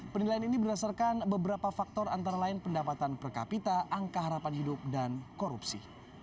penilaian ini berdasarkan beberapa faktor antara lain pendapatan per kapita angka harapan hidup dan korupsi